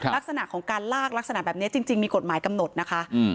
ลักษณะของการลากลักษณะแบบนี้จริงมีกฎหมายกำหนดนะคะ